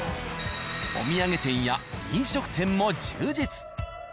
お土産店や飲食店も充実。